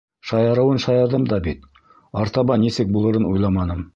Шаярыуын-шаярҙым да бит, артабан нисек булырын уйламаным.